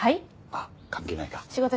あっ関係ないか。